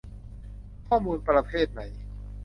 ข้อมูลประเภทไหน